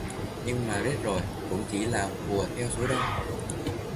Nhưng mà riết rồi cũng chỉ là hùa theo số đông